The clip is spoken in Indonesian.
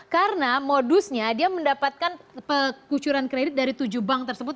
karena modusnya dia mendapatkan kekucuran kredit dari tujuh bank tersebut